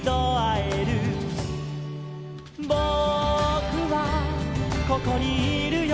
「ぼくはここにいるよ」